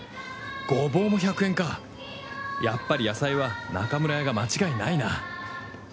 ゴボウも１００円かやっぱり野菜は中村屋が間違いないな